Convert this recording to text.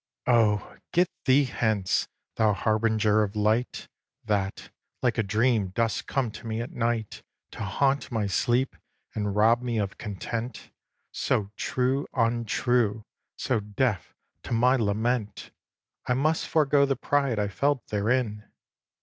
xvii. Oh, get thee hence, thou harbinger of light! That, like a dream, dost come to me at night To haunt my sleep, and rob me of content, So true untrue, so deaf to my lament, I must forego the pride I felt therein.